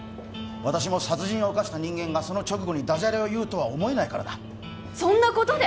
私も殺人を犯した人間がその直後にダジャレを言うとは思えないからだそんなことで？